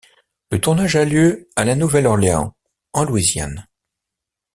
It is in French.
Le tournage a eu lieu à La Nouvelle-Orléans, en Louisiane.